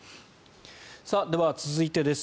では、続いてです。